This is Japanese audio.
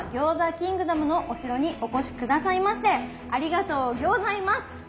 キングダムのお城にお越し下さいましてありがとうギョーザいます。